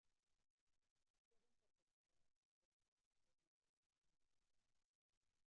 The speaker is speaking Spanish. Pueden pertenecer a una clase o ser diseños únicos.